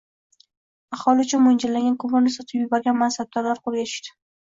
Aholi uchun mo‘ljallangan ko‘mirni sotib yuborgan mansabdorlar qo‘lga tushdi